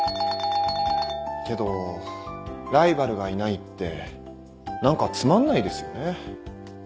けどライバルがいないって何かつまんないですよね。